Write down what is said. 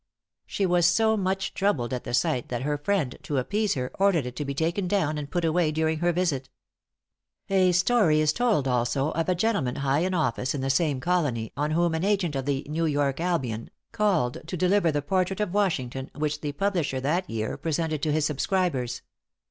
She was so much troubled at the sight, that her friend, to appease her, ordered it to be taken down and put away during her visit. A story is told also of a gentleman high in office in the same colony, on whom an agent of the "New York Albion" called to deliver the portrait of Washington which the publisher that year presented to his subscribers.